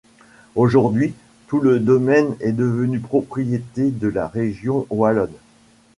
Aujourd'hui, tout le domaine est devenu propriété de la Région wallonne.